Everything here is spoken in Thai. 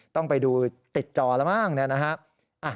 ต้องไปดูติดจอละมากนะฮะ